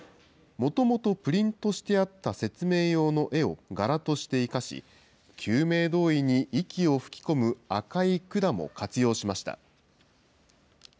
もともとプリントしてあった説明用の絵を柄として生かし、救命胴衣に息を吹き込む赤い管も活用しました。